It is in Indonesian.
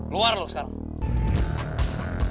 luar lo sekarang